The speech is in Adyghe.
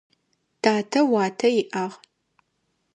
Татэ уатэ иӏагъ.